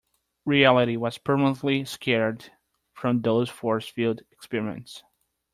Reality was permanently scarred from those force field experiments.